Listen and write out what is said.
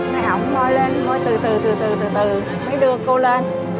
mấy ông môi lên môi từ từ từ từ từ từ mới đưa cô lên